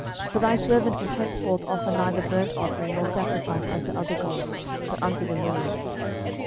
for thy servant will henceforth offer neither burnt offering nor sacrifice unto other gods, but unto the LORD.